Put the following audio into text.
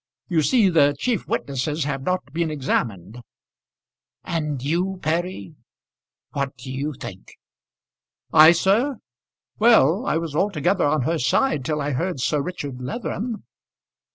You see, the chief witnesses have not been examined." "And you, Perry, what do you think?" "I, sir! Well, I was altogether on her side till I heard Sir Richard Leatherham."